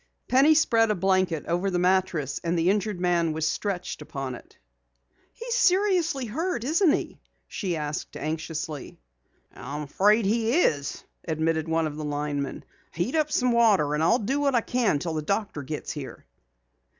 Penny spread a blanket over the mattress and the injured man was stretched upon it. "He's seriously hurt, isn't he?" she asked anxiously. "Afraid he is," admitted one of the linemen. "Heat up some water and I'll do what I can until the doctor gets here."